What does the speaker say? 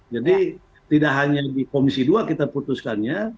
jadi tidak hanya di komisi dua kita putuskannya